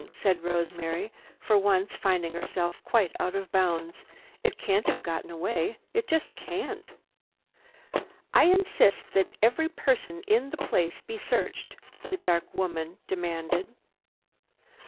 said Rosemary, for once finding herself quite out of bounds. "It can't have gotten away. It just can't!" "I insist that every person in the place be searched!" the dark woman demanded.